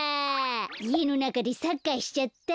いえのなかでサッカーしちゃった。